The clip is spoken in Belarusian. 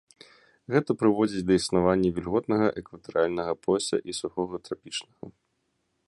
Гэта прыводзіць да існавання вільготнага экватарыяльнага пояса і сухога трапічнага.